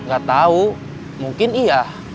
gak tau mungkin iya